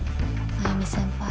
繭美先輩